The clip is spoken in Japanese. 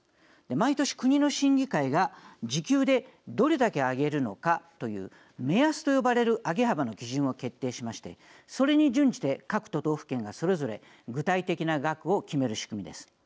毎年、国の審議会が時給でどれだけ上げるのかという目安と呼ばれる上げ幅の基準を決定しましてそれに準じて各都道府県が、それぞれ具体的な額を決める仕組みです。